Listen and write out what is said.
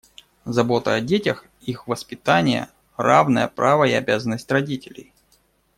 Забота о детях, их воспитание - равное право и обязанность родителей.